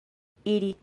iri